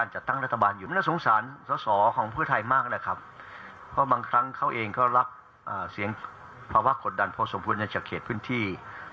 รับภาวะกดดันพอสมควรจากเขตพื้นที่